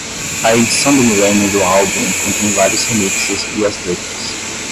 A edição do milênio do álbum contém vários remixes e as letras.